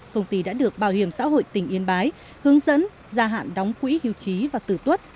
công ty đã được bảo hiểm xã hội tỉnh yên bái hướng dẫn gia hạn đóng quỹ hưu trí và tử tuất